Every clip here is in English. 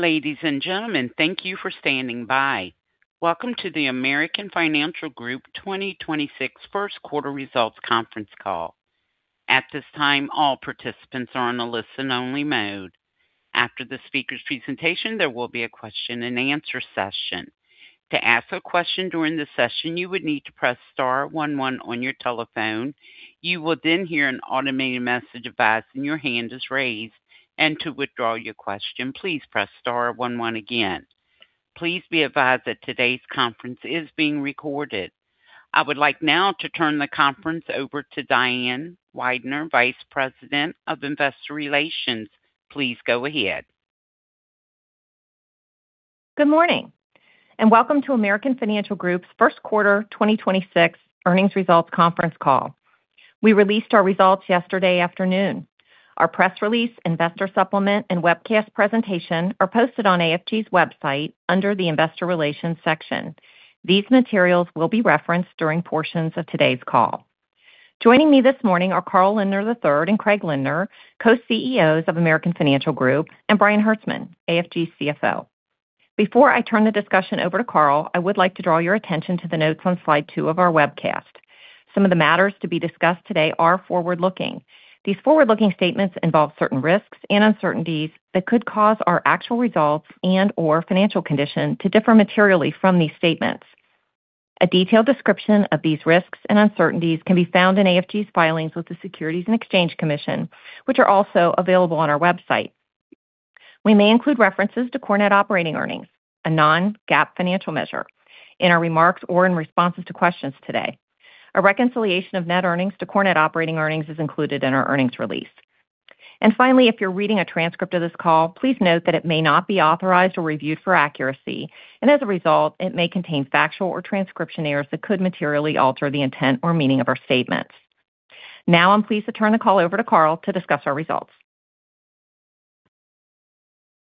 Ladies and gentlemen, thank you for standing by. Welcome to the American Financial Group 2026 first quarter results conference call. At this time, all participants are on a listen only mode. After the speaker's presentation, there will be a question and answer session. To ask a question during the session, you would need to press star one one on your telephone. You will then hear an automated message once your hand is raised and to withdraw your question please press star one one again. Please be advised that today's conference is being recorded. I would like now to turn the conference over to Diane Weidner, Vice President of Investor Relations. Please go ahead. Good morning, and welcome to American Financial Group's first quarter 2026 earnings results conference call. We released our results yesterday afternoon. Our press release, investor supplement, and webcast presentation are posted on AFG's website under the Investor Relations section. These materials will be referenced during portions of today's call. Joining me this morning are Carl Lindner III and Craig Lindner, co-CEOs of American Financial Group, and Brian Hertzman, AFG's CFO. Before I turn the discussion over to Carl, I would like to draw your attention to the notes on slide two of our webcast. Some of the matters to be discussed today are forward-looking. These forward-looking statements involve certain risks and uncertainties that could cause our actual results and or financial condition to differ materially from these statements. A detailed description of these risks and uncertainties can be found in AFG's filings with the Securities and Exchange Commission, which are also available on our website. We may include references to core net operating earnings, a non-GAAP financial measure, in our remarks or in responses to questions today. A reconciliation of net earnings to core net operating earnings is included in our earnings release. Finally, if you're reading a transcript of this call, please note that it may not be authorized or reviewed for accuracy, and as a result, it may contain factual or transcription errors that could materially alter the intent or meaning of our statements. Now, I'm pleased to turn the call over to Carl to discuss our results.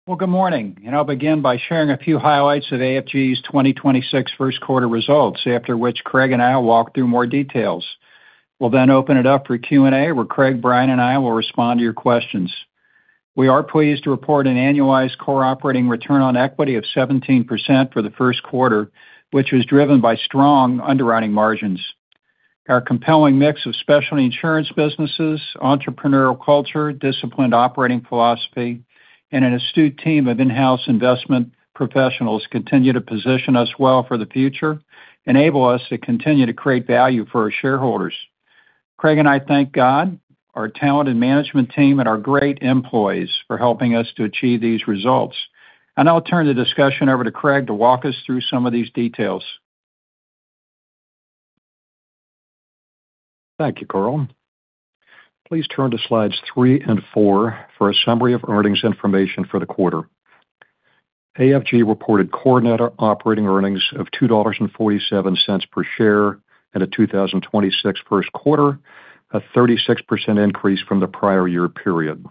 Well, good morning, I'll begin by sharing a few highlights of AFG's 2026 first quarter results, after which Craig and I will walk through more details. We'll then open it up for Q&A, where Craig, Brian, and I will respond to your questions. We are pleased to report an annualized core operating return on equity of 17% for the first quarter, which was driven by strong underwriting margins. Our compelling mix of specialty insurance businesses, entrepreneurial culture, disciplined operating philosophy, and an astute team of in-house investment professionals continue to position us well for the future, enable us to continue to create value for our shareholders. Craig and I thank God, our talented management team, and our great employees for helping us to achieve these results. I'll turn the discussion over to Craig to walk us through some of these details. Thank you, Carl. Please turn to slides three and four for a summary of earnings information for the quarter. AFG reported core net operating earnings of $2.47 per share in the 2026 first quarter, a 36% increase from the prior year period.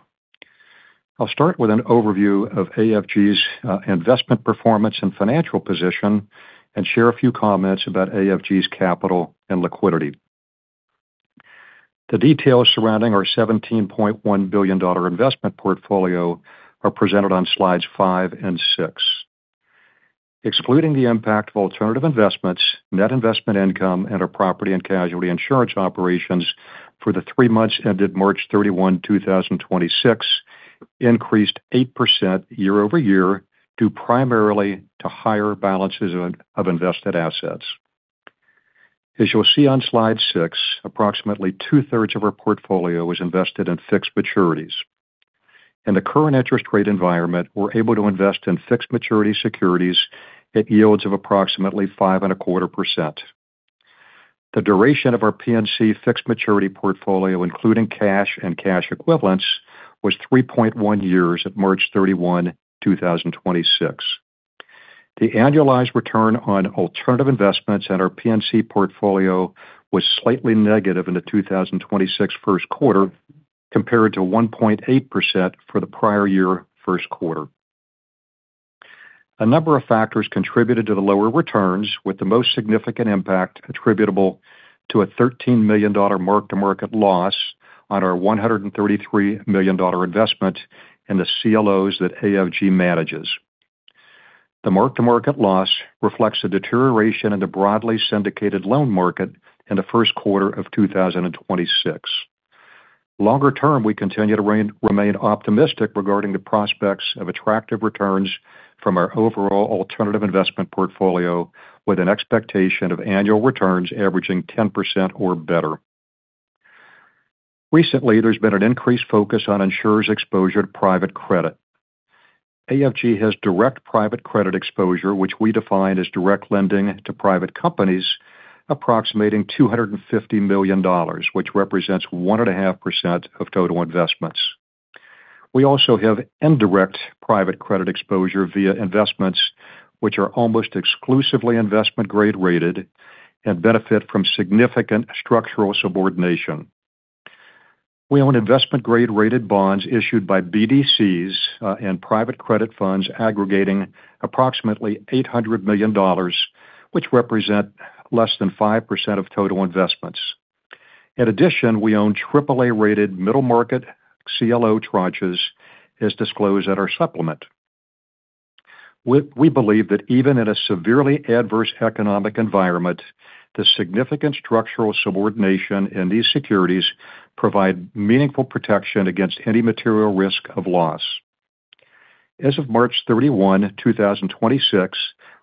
I'll start with an overview of AFG's investment performance and financial position and share a few comments about AFG's capital and liquidity. The details surrounding our $17.1 billion investment portfolio are presented on slides five and six. Excluding the impact of Alternative Investments, net investment income at our property and casualty insurance operations for the three months ended March 31, 2026 increased 8% year-over-year, due primarily to higher balances of invested assets. As you'll see on slide six, approximately two-thirds of our portfolio was invested in fixed maturities. In the current interest rate environment, we're able to invest in fixed maturity securities at yields of approximately 5.25%. The duration of our P&C fixed maturity portfolio, including cash and cash equivalents, was 3.1 years at March 31, 2026. The annualized return on Alternative Investments at our P&C portfolio was slightly negative in the 2026 first quarter compared to 1.8% for the prior year first quarter. A number of factors contributed to the lower returns, with the most significant impact attributable to a $13 million mark-to-market loss on our $133 million investment in the CLOs that AFG manages. The mark-to-market loss reflects the deterioration in the broadly syndicated loan market in the first quarter of 2026. Longer term, we continue to remain optimistic regarding the prospects of attractive returns from our overall Alternative Investments portfolio with an expectation of annual returns averaging 10% or better. Recently, there's been an increased focus on insurers' exposure to Private Credit. AFG has direct Private Credit exposure, which we define as direct lending to private companies approximating $250 million, which represents 1.5% of total investments. We also have indirect Private Credit exposure via investments which are almost exclusively investment grade rated and benefit from significant structural subordination. We own investment grade rated bonds issued by BDCs and Private Credit funds aggregating approximately $800 million, which represent less than 5% of total investments. In addition, we own AAA-rated middle market CLO tranches as disclosed at our supplement. We believe that even in a severely adverse economic environment, the significant structural subordination in these securities provide meaningful protection against any material risk of loss. As of March 31, 2026,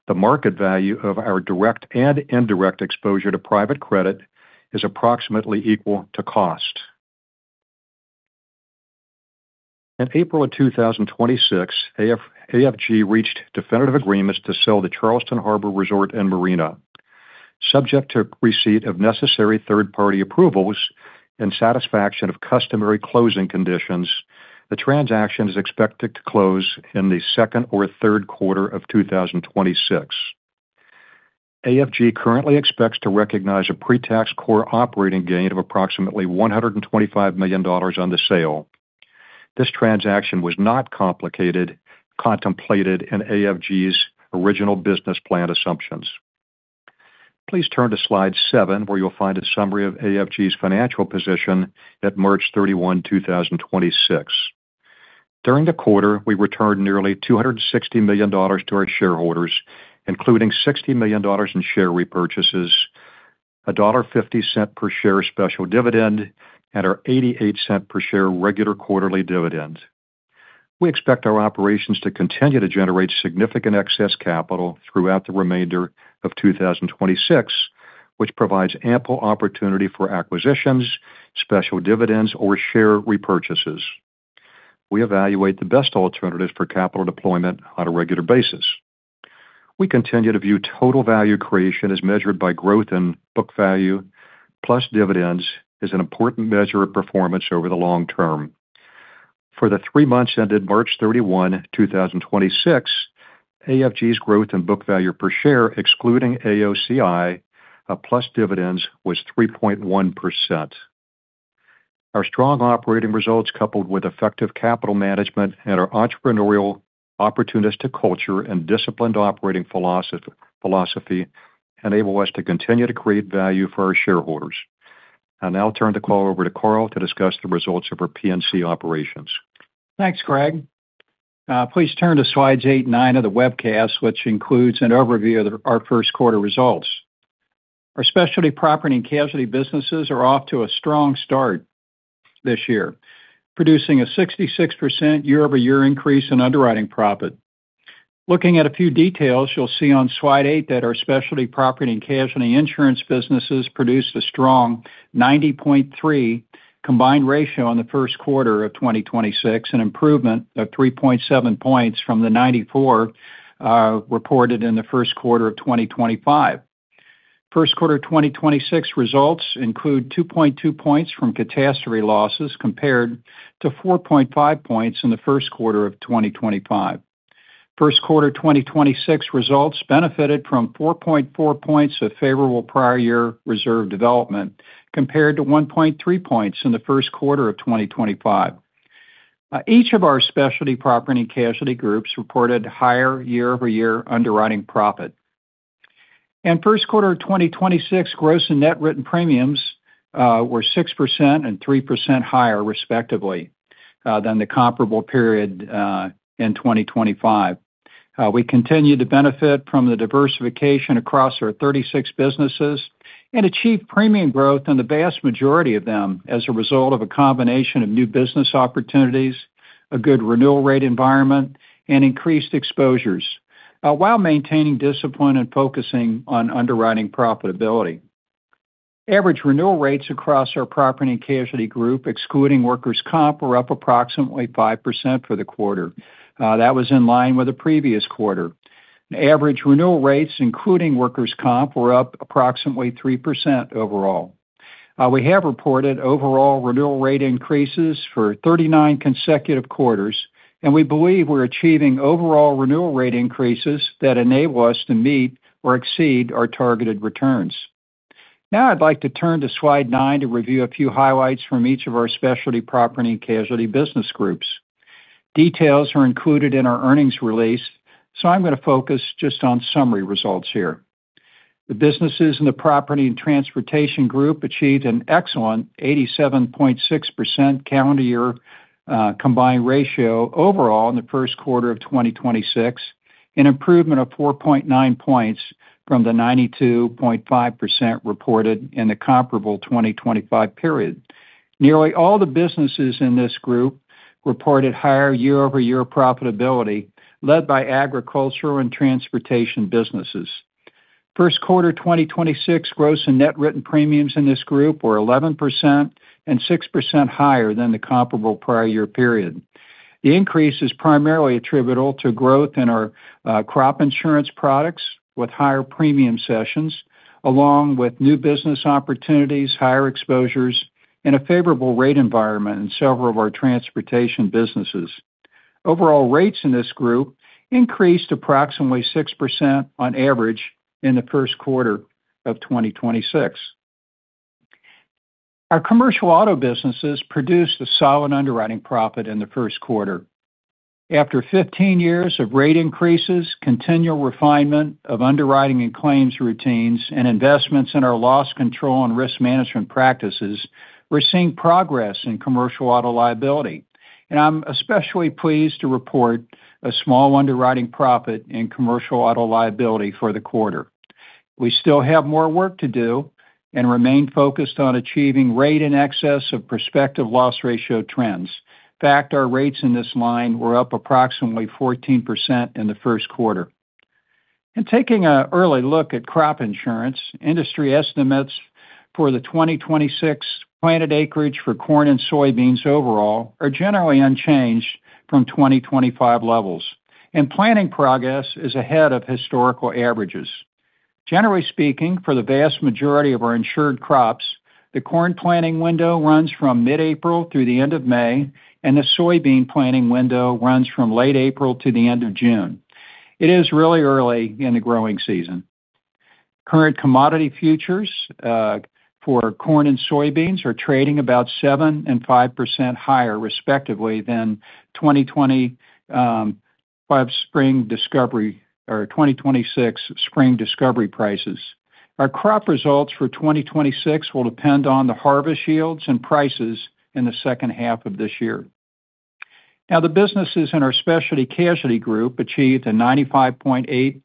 the market value of our direct and indirect exposure to Private Credit is approximately equal to cost. In April of 2026, AFG reached definitive agreements to sell the Charleston Harbor Resort & Marina. Subject to receipt of necessary third-party approvals and satisfaction of customary closing conditions, the transaction is expected to close in the second or third quarter of 2026. AFG currently expects to recognize a pre-tax core operating gain of approximately $125 million on the sale. This transaction was not complicated, contemplated in AFG's original business plan assumptions. Please turn to slide seven where you'll find a summary of AFG's financial position at March 31, 2026. During the quarter, we returned nearly $260 million to our shareholders, including $60 million in share repurchases, a $1.50 per share special dividend and our $0.88 per share regular quarterly dividend. We expect our operations to continue to generate significant excess capital throughout the remainder of 2026, which provides ample opportunity for acquisitions, special dividends or share repurchases. We evaluate the best alternatives for capital deployment on a regular basis. We continue to view total value creation as measured by growth in book value plus dividends is an important measure of performance over the long term. For the three months ended March 31, 2026, AFG's growth in book value per share, excluding AOCI, plus dividends was 3.1%. Our strong operating results, coupled with effective capital management and our entrepreneurial opportunistic culture and disciplined operating philosophy enable us to continue to create value for our shareholders. I'll now turn the call over to Carl to discuss the results of our P&C operations. Thanks, Craig Lindner. Please turn to slides eight and nine of the webcast, which includes an overview of our first quarter results. Our Specialty Property and Casualty businesses are off to a strong start this year, producing a 66% year-over-year increase in underwriting profit. Looking at a few details, you'll see on slide eight that our Specialty Property and Casualty Insurance businesses produced a strong 90.3 combined ratio on the first quarter of 2026, an improvement of 3.7 points from the 94 reported in the first quarter of 2025. First quarter of 2026 results include 2.2 points from catastrophe losses, compared to 4.5 points in the first quarter of 2025. First quarter 2026 results benefited from 4.4 points of favorable prior year reserve development, compared to 1.3 points in the first quarter of 2025. Each of our Specialty Property and Casualty groups reported higher year-over-year underwriting profit. In first quarter of 2026, gross and net written premiums were 6% and 3% higher, respectively, than the comparable period in 2025. We continue to benefit from the diversification across our 36 businesses and achieve premium growth in the vast majority of them as a result of a combination of new business opportunities, a good renewal rate environment and increased exposures, while maintaining discipline and focusing on underwriting profitability. Average renewal rates across our Property and Casualty Group, excluding workers' comp, were up approximately 5% for the quarter. That was in line with the previous quarter. Average renewal rates, including Workers' Comp, were up approximately 3% overall. We have reported overall renewal rate increases for 39 consecutive quarters, and we believe we're achieving overall renewal rate increases that enable us to meet or exceed our targeted returns. I'd like to turn to slide nine to review a few highlights from each of our Specialty Property and Casualty business groups. Details are included in our earnings release, I'm gonna focus just on summary results here. The businesses in the Property and Transportation Group achieved an excellent 87.6% calendar year combined ratio overall in the first quarter of 2026, an improvement of 4.9 points from the 92.5% reported in the comparable 2025 period. Nearly all the businesses in this group reported higher year-over-year profitability, led by agricultural and transportation businesses. First quarter 2026 gross and net written premiums in this group were 11% and 6% higher than the comparable prior year period. The increase is primarily attributable to growth in our crop insurance products with higher premium sessions, along with new business opportunities, higher exposures and a favorable rate environment in several of our transportation businesses. Overall rates in this group increased approximately 6% on average in the first quarter of 2026. Our commercial auto businesses produced a solid underwriting profit in the first quarter. After 15 years of rate increases, continual refinement of underwriting and claims routines, and investments in our loss control and risk management practices, we're seeing progress in commercial auto liability. I'm especially pleased to report a small underwriting profit in commercial auto liability for the quarter. We still have more work to do and remain focused on achieving rate in excess of prospective loss ratio trends. In fact, our rates in this line were up approximately 14% in the first quarter. In taking a early look at Crop Insurance, industry estimates for the 2026 planted acreage for corn and soybeans overall are generally unchanged from 2025 levels, and planting progress is ahead of historical averages. Generally speaking, for the vast majority of our insured crops, the corn planting window runs from mid-April through the end of May, and the soybean planting window runs from late April to the end of June. It is really early in the growing season. Current commodity futures for corn and soybeans are trading about 7% and 5% higher, respectively, than 2025 spring discovery or 2026 spring discovery prices. Our crop results for 2026 will depend on the harvest yields and prices in the second half of this year. The businesses in our Specialty Casualty Group achieved a 95.8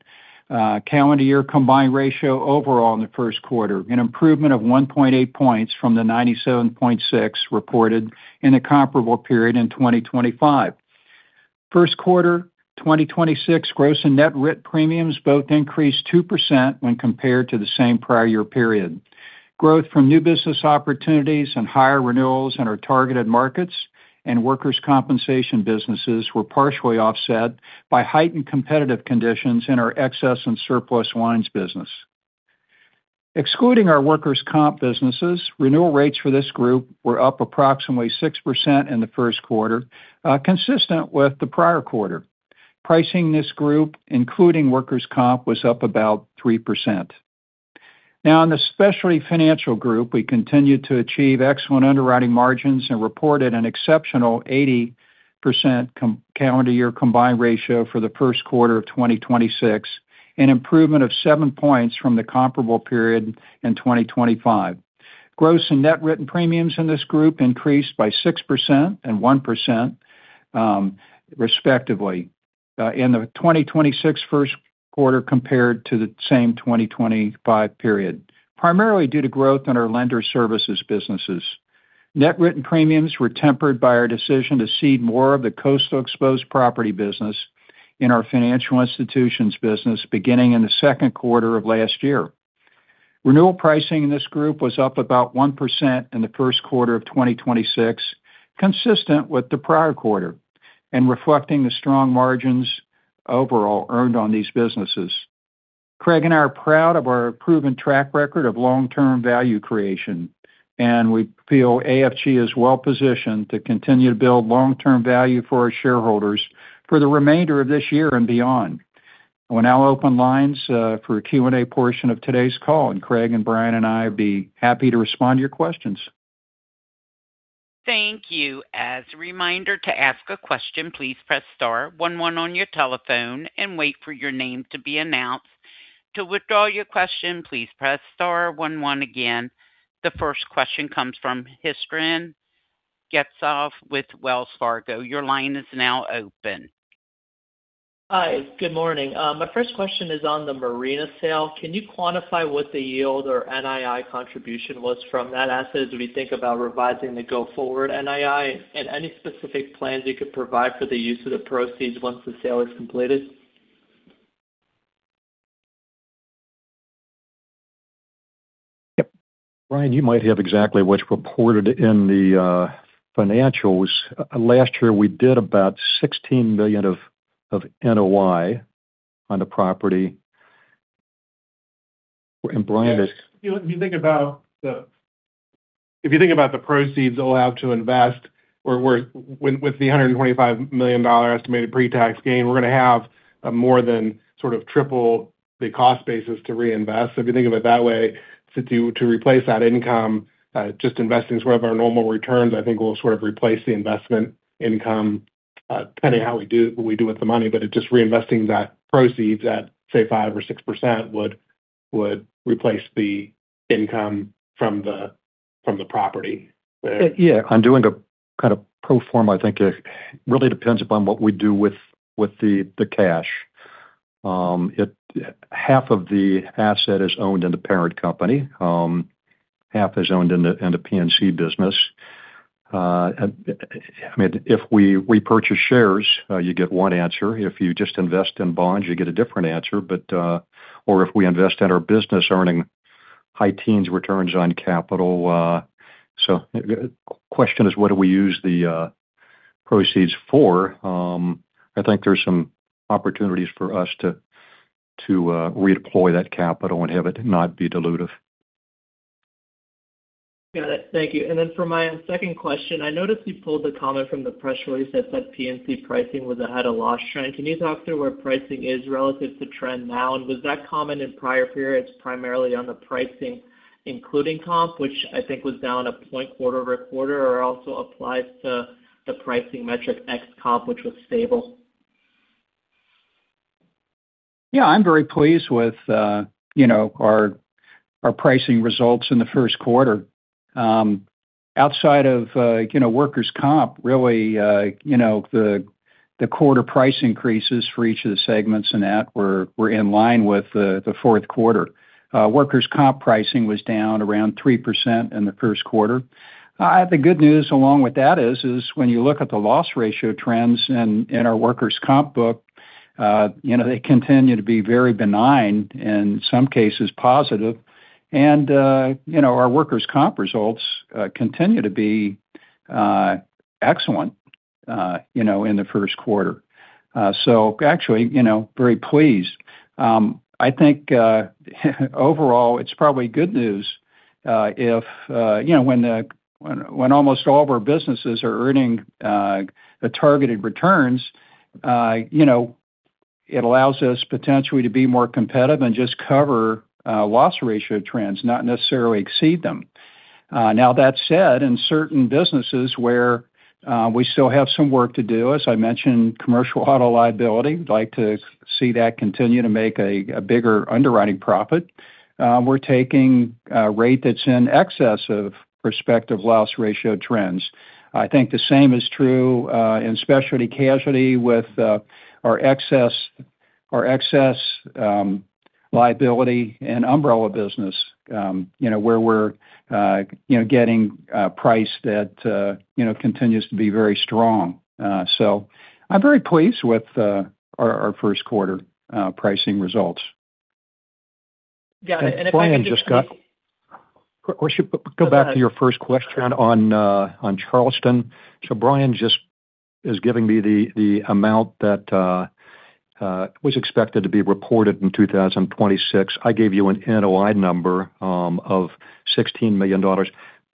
calendar year combined ratio overall in the first quarter, an improvement of 1.8 points from the 97.6 reported in the comparable period in 2025. First quarter, 2026 gross and net writ premiums both increased 2% when compared to the same prior year period. Growth from new business opportunities and higher renewals in our targeted markets and Workers' Compensation businesses were partially offset by heightened competitive conditions in our Excess and Surplus Lines business. Excluding our Workers' Comp businesses, renewal rates for this group were up approximately 6% in the first quarter, consistent with the prior quarter. Pricing this group, including Workers' Comp, was up about 3%. In the Specialty Financial Group, we continued to achieve excellent underwriting margins and reported an exceptional 80% calendar year combined ratio for the first quarter of 2026, an improvement of 7 points from the comparable period in 2025. Gross and net written premiums in this group increased by 6% and 1%, respectively, in the 2026 first quarter compared to the same 2025 period, primarily due to growth in our lender services businesses. Net written premiums were tempered by our decision to cede more of the coastal exposed property business in our financial institutions business beginning in the second quarter of last year. Renewal pricing in this group was up about 1% in the first quarter of 2026, consistent with the prior quarter and reflecting the strong margins overall earned on these businesses. Craig and I are proud of our proven track record of long-term value creation, and we feel AFG is well positioned to continue to build long-term value for our shareholders for the remainder of this year and beyond. We'll now open lines for a Q&A portion of today's call, and Craig and Brian and I would be happy to respond to your questions. Thank you. As a reminder to ask a question, please press star one one on your telephone and wait for your name to be announced. To withdraw your question, please press star one one again. The first question comes from Christian Getzoff with Wells Fargo. Your line is now open. Hi. Good morning. My first question is on the Marina sale. Can you quantify what the yield or NII contribution was from that asset as we think about revising the go-forward NII? Any specific plans you could provide for the use of the proceeds once the sale is completed? Yep. Brian, you might have exactly what's reported in the financials. Last year, we did about $16 million of NOI on the property in lines. If you think about the proceeds allowed to invest or where with the $125 million estimated pre-tax gain, we're gonna have more than sort of triple the cost basis to reinvest. If you think of it that way, to replace that income, just investing sort of our normal returns I think will sort of replace the investment income, depending how we do with the money. It's just reinvesting that proceeds at, say, 5% or 6% would replace the income from the property. Yeah. On doing a kind of pro forma, I think it really depends upon what we do with the cash. Half of the asset is owned in the parent company, half is owned in the P&C business. I mean, if we repurchase shares, you get one answer. If you just invest in bonds, you get a different answer. Or if we invest in our business earning high teens returns on capital. The question is what do we use the proceeds for? I think there's some opportunities for us to redeploy that capital and have it not be dilutive. Got it. Thank you. For my second question, I noticed you pulled the comment from the press release that said P&C pricing was ahead of loss trend. Can you talk through where pricing is relative to trend now? Was that common in prior periods, primarily on the pricing, including comp, which I think was down 1 point quarter-over-quarter, or also applies to the pricing metric ex comp, which was stable? Yeah, I'm very pleased with, you know, our pricing results in the first quarter. Outside of, you know, Workers' Comp, really, you know, the quarter price increases for each of the segments in that were in line with the fourth quarter. Workers' Comp pricing was down around 3% in the first quarter. The good news along with that is when you look at the loss ratio trends in our Workers' Comp book, you know, they continue to be very benign, in some cases positive. You know, our Workers' Comp results continue to be excellent, you know, in the first quarter. Actually, you know, very pleased. I think, overall it's probably good news, if, you know, when almost all of our businesses are earning, the targeted returns, you know, it allows us potentially to be more competitive and just cover, loss ratio trends, not necessarily exceed them. Now that said, in certain businesses where, we still have some work to do, as I mentioned, commercial auto liability, we'd like to see that continue to make a bigger underwriting profit. We're taking a rate that's in excess of respective loss ratio trends. I think the same is true, in specialty casualty with, our excess liability and umbrella business, you know, where we're, you know, getting, price that, you know, continues to be very strong. I'm very pleased with our first quarter pricing results. Got it. if I can Should go back to your first question on Charleston. Brian just is giving me the amount that was expected to be reported in 2026. I gave you an NOI number of $16 million.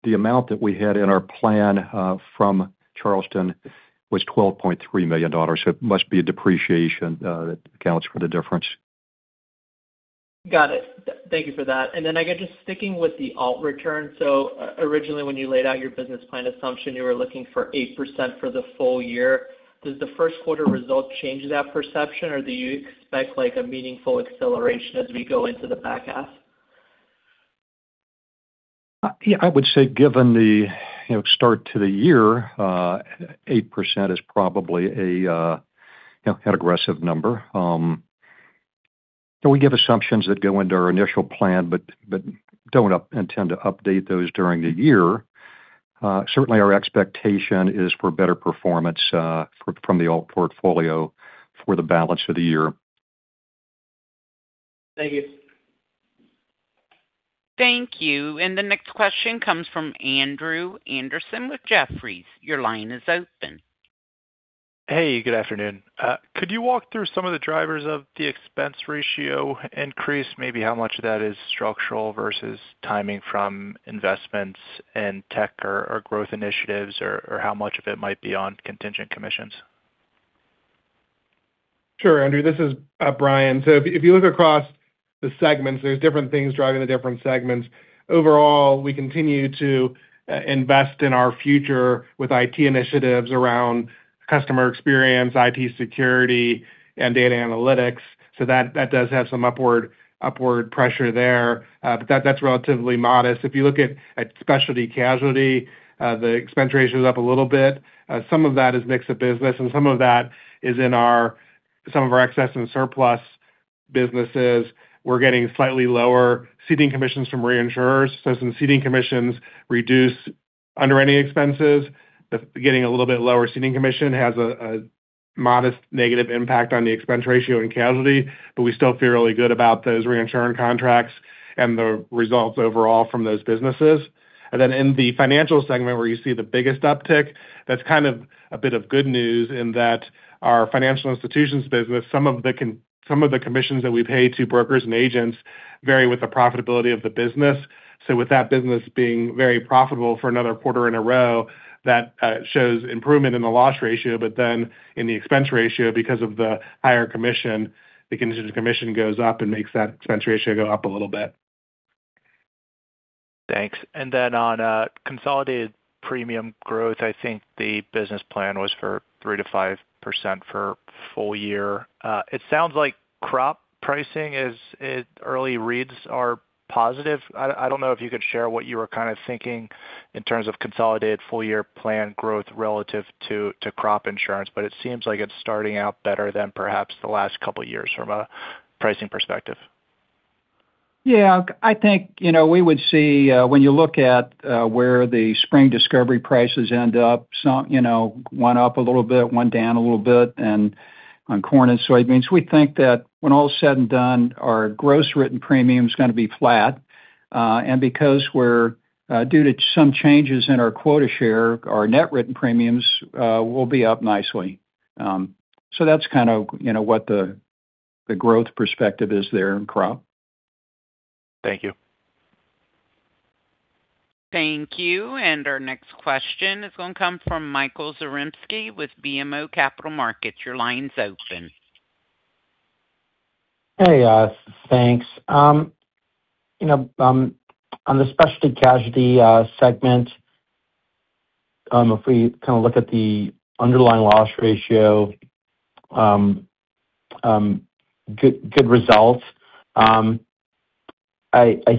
The amount that we had in our plan from Charleston was $12.3 million. It must be a depreciation that accounts for the difference. Got it. Thank you for that. Then, I guess, just sticking with the alt return. Originally, when you laid out your business plan assumption, you were looking for 8% for the full year. Does the first quarter results change that perception, or do you expect, like, a meaningful acceleration as we go into the back half? Yeah, I would say given the, you know, start to the year, 8% is probably a, you know, an aggressive number. We give assumptions that go into our initial plan, but don't intend to update those during the year. Certainly our expectation is for better performance from the alt portfolio for the balance of the year. Thank you. Thank you. The next question comes from Andrew Andersen with Jefferies. Your line is open. Good afternoon. Could you walk through some of the drivers of the expense ratio increase, maybe how much of that is structural versus timing from investments and tech or growth initiatives, or how much of it might be on contingent commissions? Sure, Andrew, this is Brian. If, if you look across the segments, there's different things driving the different segments. Overall, we continue to invest in our future with IT initiatives around customer experience, IT security, and data analytics. That does have some upward pressure there, but that's relatively modest. If you look at Specialty Casualty Group, the expense ratio is up a little bit. Some of that is mix of business, and some of that is some of our excess and surplus businesses. We're getting slightly lower ceding commissions from reinsurers. Some ceding commissions reduce underwriting expenses. The getting a little bit lower ceding commission has a modest negative impact on the expense ratio in casualty, but we still feel really good about those reinsurance contracts and the results overall from those businesses. In the financial segment where you see the biggest uptick, that's kind of a bit of good news in that our financial institutions business, some of the commissions that we pay to brokers and agents vary with the profitability of the business. With that business being very profitable for another quarter in a row, that shows improvement in the loss ratio, in the expense ratio, because of the higher commission, the contingent commission goes up and makes that expense ratio go up a little bit. Thanks. On consolidated premium growth, I think the business plan was for 3%-5% for full-year. It sounds like Crop pricing is, it early reads are positive. I don't know if you could share what you were kind of thinking in terms of consolidated full-year plan growth relative to Crop Insurance, but it seems like it's starting out better than perhaps the last couple of years from a pricing perspective. Yeah. I think, you know, we would see, when you look at where the spring discovery prices end up, some, you know, went up a little bit, went down a little bit and on corn and soybeans. We think that when all is said and done, our gross written premium is gonna be flat. Because we're due to some changes in our quota share, our net written premiums will be up nicely. That's kind of, you know, what the growth perspective is there in crop. Thank you. Thank you. Our next question is gonna come from Michael Zaremski with BMO Capital Markets. Your line is open. Hey, thanks. You know, on the Specialty Casualty segment. If we kind of look at the underlying loss ratio, good results. I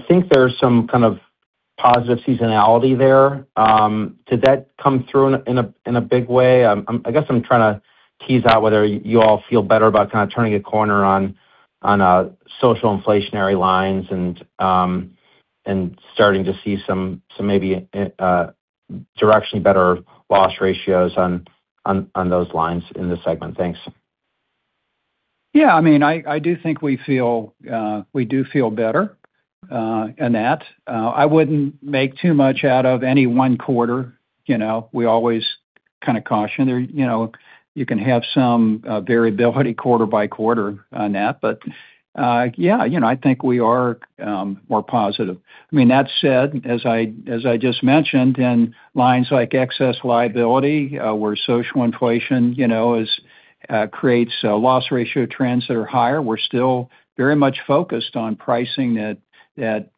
think there's some kind of positive seasonality there. Did that come through in a big way? I guess I'm trying to tease out whether you all feel better about kind of turning a corner on social inflation lines and starting to see some maybe directionally better loss ratios on those lines in this segment. Thanks. Yeah. I mean, I do think we feel, we do feel better in that. I wouldn't make too much out of any one quarter, you know. We always kind of caution there, you know, you can have some variability quarter by quarter on that. Yeah, you know, I think we are more positive. I mean, that said, as I just mentioned, in lines like excess liability, where social inflation, you know, creates loss ratio trends that are higher, we're still very much focused on pricing that,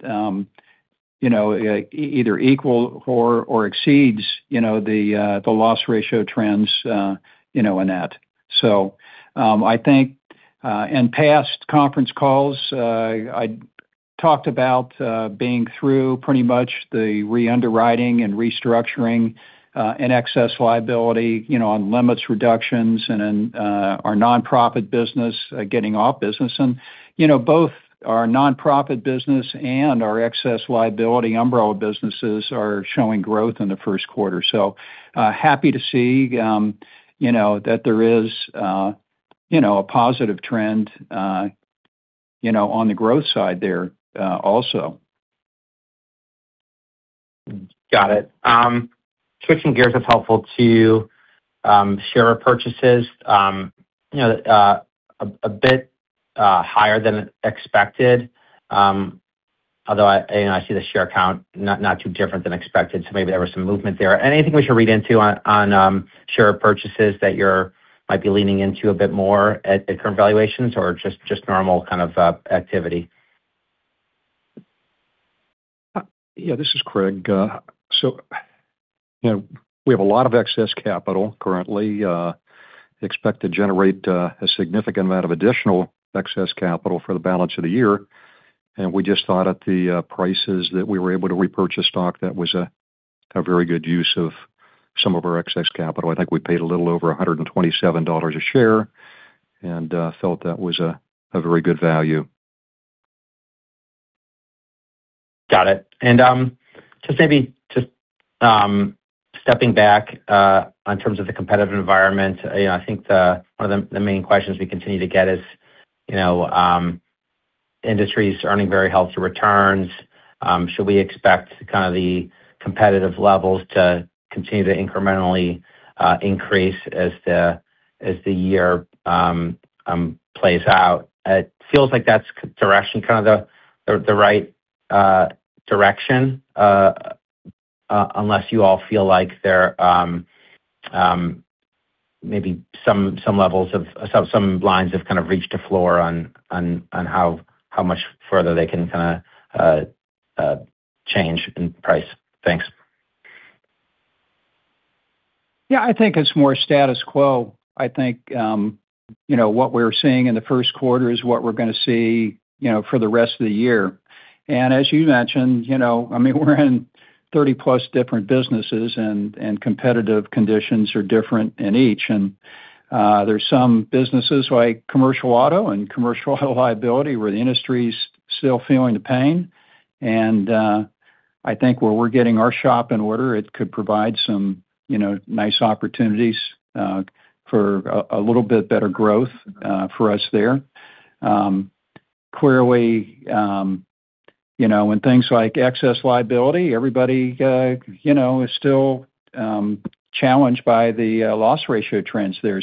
you know, either equal or exceeds, you know, the loss ratio trends, you know, in that. I think in past conference calls, I talked about being through pretty much the re-underwriting and restructuring in excess liability, you know, on limits reductions and in our nonprofit business, getting off business. You know, both our nonprofit business and our excess liability umbrella businesses are showing growth in the first quarter. Happy to see, you know, that there is, you know, a positive trend, you know, on the growth side there, also. Got it. Switching gears, if helpful to share repurchases, you know, a bit higher than expected. Although I, you know, I see the share count not too different than expected, so maybe there was some movement there. Anything we should read into on share repurchases that might be leaning into a bit more at current valuations, or just normal kind of activity? Yeah, this is Craig. you know, we have a lot of excess capital currently. expect to generate a significant amount of additional excess capital for the balance of the year. We just thought at the prices that we were able to repurchase stock, that was a very good use of some of our excess capital. I think we paid a little over $127 a share and felt that was a very good value. Got it. Just maybe stepping back on terms of the competitive environment. You know, I think one of the main questions we continue to get is, you know, industries earning very healthy returns, should we expect kind of the competitive levels to continue to incrementally increase as the year plays out? It feels like that's direction, kind of the right direction, unless you all feel like there maybe some lines have kind of reached a floor on how much further they can kinda change in price. Thanks. Yeah, I think it's more status quo. I think, you know, what we're seeing in the first quarter is what we're gonna see, you know, for the rest of the year. As you mentioned, you know, I mean, we're in 30+ different businesses and competitive conditions are different in each. There's some businesses like commercial auto and commercial liability where the industry's still feeling the pain. I think where we're getting our shop in order, it could provide some, you know, nice opportunities for a little bit better growth for us there. Clearly, you know, when things like excess liability, everybody, you know, is still challenged by the loss ratio trends there.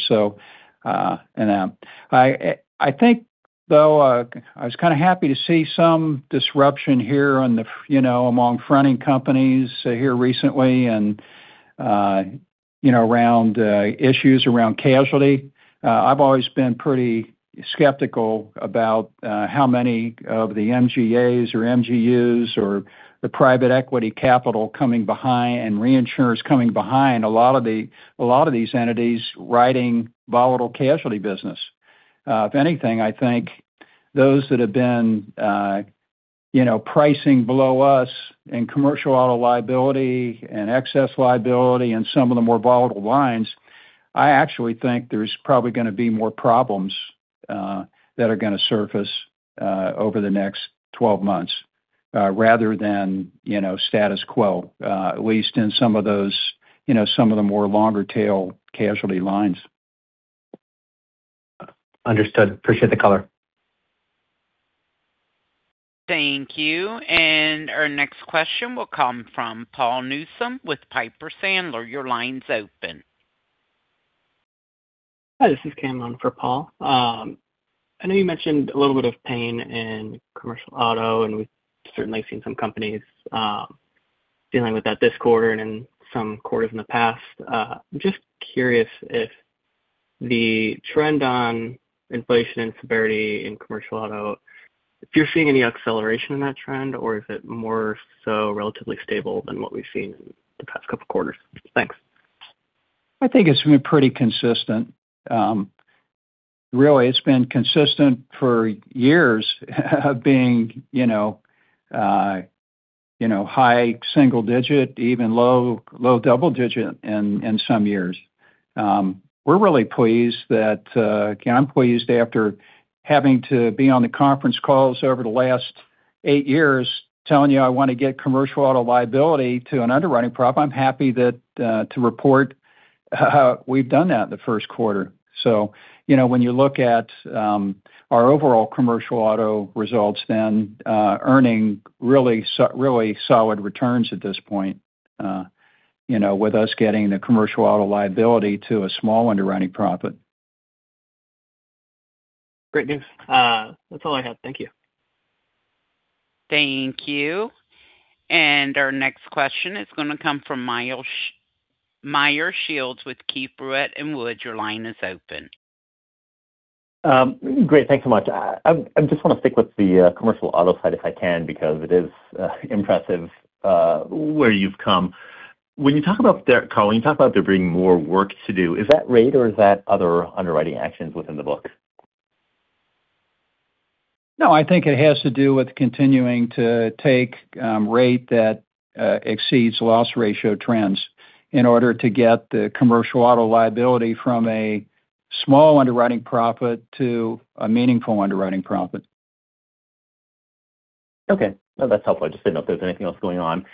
I think though, I was kind of happy to see some disruption here on the, you know, among fronting companies here recently and, you know, around issues around casualty. I've always been pretty skeptical about how many of the MGA or MGU or the private equity capital coming behind and reinsurers coming behind a lot of these entities riding volatile casualty business. If anything, I think those that have been, you know, pricing below us in commercial auto liability and excess liability and some of the more volatile lines, I actually think there's probably going to be more problems that are going to surface over the next 12 months rather than, you know, status quo, at least in some of those, you know, some of the more longer tail casualty lines. Understood. Appreciate the color. Thank you. Our next question will come from J. Paul Newsome with Piper Sandler. Your line's open. Hi, this is Cam on for Paul. I know you mentioned a little bit of pain in commercial auto, and we've certainly seen some companies, dealing with that this quarter and in some quarters in the past. I'm just curious The trend on inflation and severity in commercial auto, if you're seeing any acceleration in that trend or is it more so relatively stable than what we've seen in the past couple quarters? Thanks. I think it's been pretty consistent. Really, it's been consistent for years of being, you know, high single digit, even low double digit in some years. We're really pleased that again, I'm pleased after having to be on the conference calls over the last eight years telling you I wanna get commercial auto liability to an underwriting profit. I'm happy that to report how we've done that in the first quarter. You know, when you look at our overall commercial auto results, earning really solid returns at this point, you know, with us getting the commercial auto liability to a small underwriting profit. Great news. That's all I had. Thank you. Thank you. Our next question is gonna come from Meyer Shields with Keefe, Bruyette. Your line is open. Great. Thanks so much. I just wanna stick with the commercial auto side if I can because it is impressive where you've come. When you talk about Carl, when you talk about there being more work to do, is that rate or is that other underwriting actions within the book? No, I think it has to do with continuing to take, rate that exceeds loss ratio trends in order to get the commercial auto liability from a small underwriting profit to a meaningful underwriting profit. Okay. No, that's helpful. I just didn't know if there was anything else going on.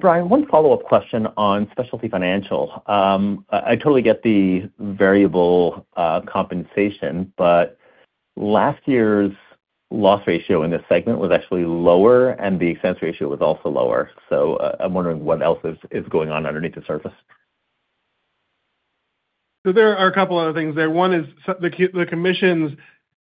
Brian, one follow-up question on Specialty Financial Group. I totally get the variable compensation, but last year's loss ratio in this segment was actually lower, and the expense ratio was also lower. I'm wondering what else is going on underneath the surface. There are a couple other things there. One is the commissions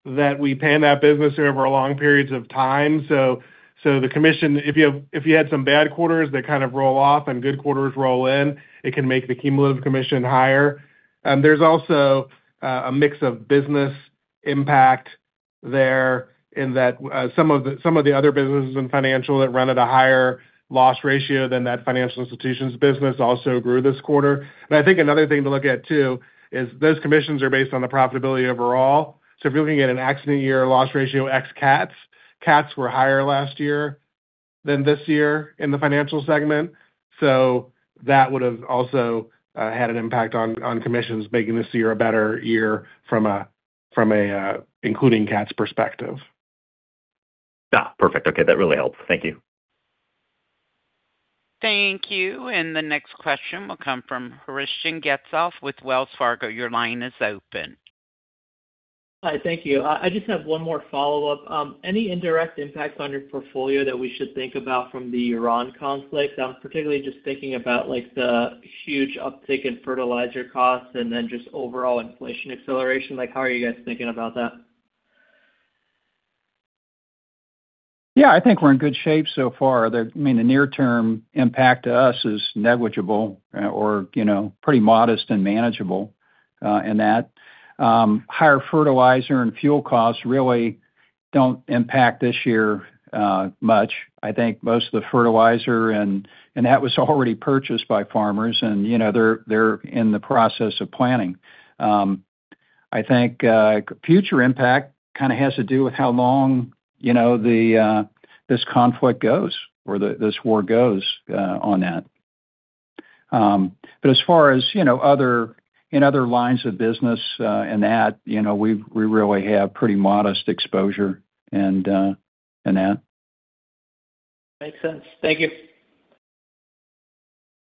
that we pay in that business over long periods of time. The commission, if you had some bad quarters that kind of roll off and good quarters roll in, it can make the cumulative commission higher. There's also a mix of business impact there in that some of the other businesses in financial that run at a higher loss ratio than that financial institutions business also grew this quarter. I think another thing to look at too is those commissions are based on the profitability overall. If you're looking at an accident year loss ratio ex cats were higher last year than this year in the financial segment. That would have also had an impact on commissions making this year a better year from a including cats perspective. Perfect. That really helps. Thank you. Thank you. The next question will come from Christian Getzoff with Wells Fargo. Your line is open. Hi. Thank you. I just have one more follow-up. Any indirect impacts on your portfolio that we should think about from the Iran conflict? I'm particularly just thinking about like the huge uptick in fertilizer costs and then just overall inflation acceleration. Like how are you guys thinking about that? Yeah, I think we're in good shape so far. I mean, the near term impact to us is negligible or, you know, pretty modest and manageable in that. Higher fertilizer and fuel costs really don't impact this year much. I think most of the fertilizer and that was already purchased by farmers and, you know, they're in the process of planning. I think future impact kind of has to do with how long, you know, this conflict goes or this war goes on that. As far as, you know, in other lines of business and that, you know, we really have pretty modest exposure in that. Makes sense. Thank you.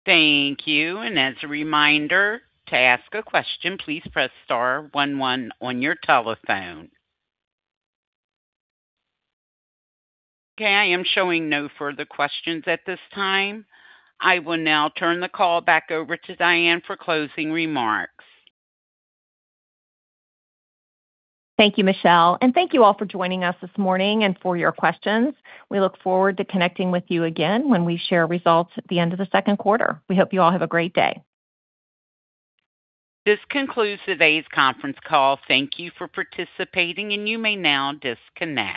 Thank you. As a reminder, to ask a question, please press star one one on your telephone. Okay, I am showing no further questions at this time. I will now turn the call back over to Diane for closing remarks. Thank you, Michelle. Thank you all for joining us this morning and for your questions. We look forward to connecting with you again when we share results at the end of the second quarter. We hope you all have a great day. This concludes today's conference call. Thank you for participating, and you may now disconnect.